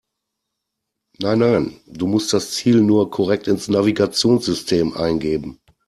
Nein, nein, du musst das Ziel nur korrekt ins Navigationssystem eingeben.